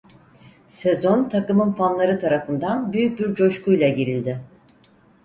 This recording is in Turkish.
Sezon takımın fanları tarafından büyük bir coşkuyla girildi.